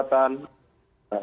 untuk pengadaan kepala sejarah dan